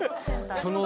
その。